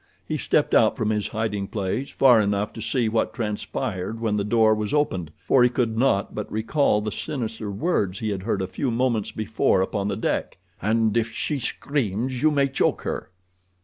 He stepped out from his hiding place far enough to see what transpired when the door was opened, for he could not but recall the sinister words he had heard a few moments before upon the deck, "And if she screams you may choke her."